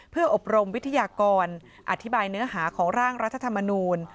เพื่ออบรมวิทยากรอธิบายเนื้อหาของร่างรัฐธรรมนูล